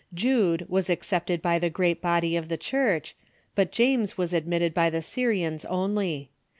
Jude was accepted by the great body of the Church, but James was admitted by the Syrians only.